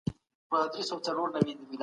موږ دا يادوو.